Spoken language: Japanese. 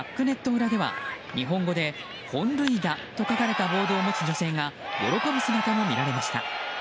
裏では日本語で「本塁打」と書かれたボードを持つ女性が喜ぶ姿も見られました。